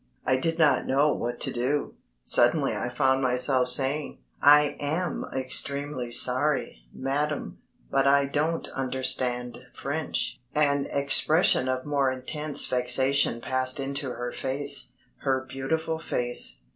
I did not know what to do. Suddenly I found myself saying: "I am extremely sorry, madam, but I don't understand French." An expression of more intense vexation passed into her face her beautiful face.